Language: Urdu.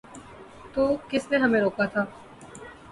تو کس نے ہمیں روکا تھا؟